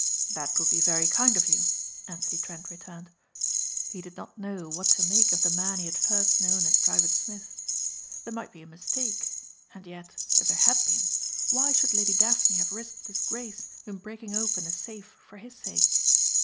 "That would be very kind of you," Anthony Trent returned. He did not know what to make of the man he had first known as Private Smith. There might be a mistake and yet, if there had been, why should Lady Daphne have risked disgrace in breaking open a safe for his sake.